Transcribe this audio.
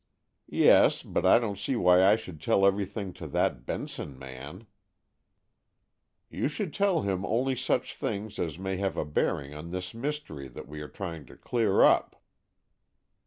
"Yes; but I don't see why I should tell everything to that Benson man!" "You should tell him only such things as may have a bearing on this mystery that we are trying to clear up."